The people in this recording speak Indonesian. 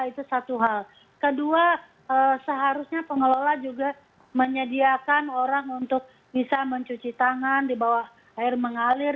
itu satu hal kedua seharusnya pengelola juga menyediakan orang untuk bisa mencuci tangan di bawah air mengalir